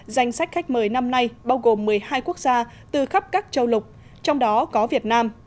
danh sách khách mời năm nay bao gồm một mươi hai quốc gia từ khắp các châu lục trong đó có việt nam